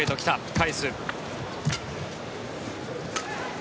返す。